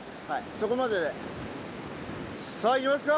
そこまででさあいきますか！